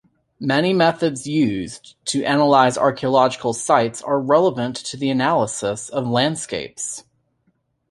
Many methods used to analyze archaeological sites are relevant to the analysis of landscapes.